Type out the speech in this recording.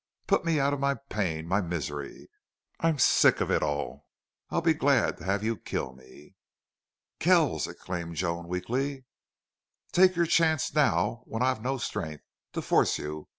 Put me out of my pain my misery.... I'm sick of it all. I'd be glad to have you kill me!" "Kells!" exclaimed Joan, weakly. "Take your chance now when I've no strength to force you....